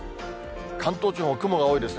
関東地方雲が多いですね。